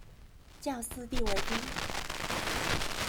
較私地為低